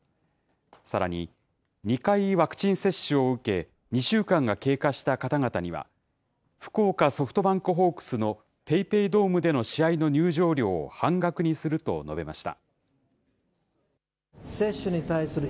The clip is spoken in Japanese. さらに、２回ワクチン接種を受け、２週間が経過した方々には、福岡ソフトバンクホークスのＰａｙＰａｙドームでの試合の入場料を半額にすると述べました。